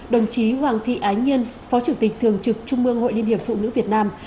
đồng chí hoàng thị ái nhiên phó chủ tịch thường trực trung mương hội liên hiệp phụ nữ việt nam